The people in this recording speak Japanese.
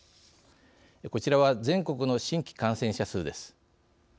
こちらは全国の新規感染者数です。